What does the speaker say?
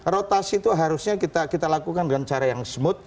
rotasi itu harusnya kita lakukan dengan cara yang smooth